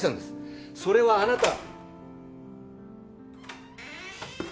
それはあなた。